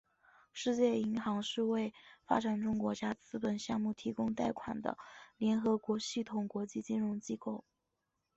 世界银行是为发展中国家资本项目提供贷款的联合国系统国际金融机构。